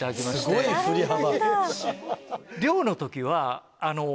すごい振り幅。